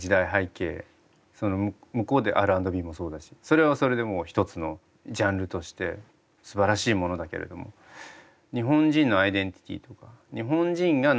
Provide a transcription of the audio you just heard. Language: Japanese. その向こうでＲ＆Ｂもそうだしそれはそれでもう一つのジャンルとしてすばらしいものだけれども日本人のアイデンティティーとか日本人が何を歌ってしかるべきか。